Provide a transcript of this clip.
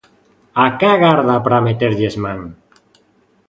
A que agarda para meterlles man?